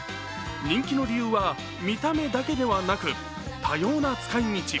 人気の理由は見た目だけではなく多様な使い道。